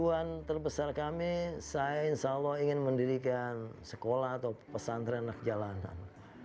tujuan terbesar kami saya insya allah ingin mendirikan sekolah atau pesantren anak jalanan